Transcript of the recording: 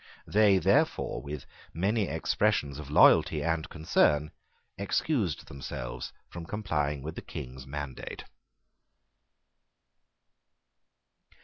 They therefore, with many expressions of loyalty and concern, excused themselves from complying with the King's mandate.